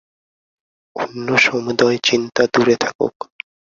অন্য সমুদয় চিন্তা দূরে থাকুক।